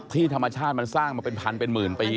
ธรรมชาติมันสร้างมาเป็นพันเป็นหมื่นปี